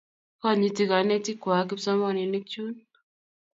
Konyiti kanetik kwag kipsomaninik chun